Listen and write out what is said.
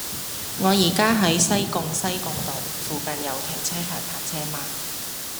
我依家喺西貢西貢道，附近有停車場泊車嗎